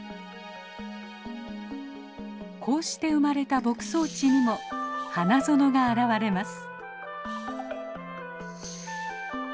こうして生まれた牧草地にも花園が現れます。